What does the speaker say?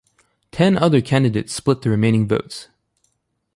Ten other candidates split the remaining votes.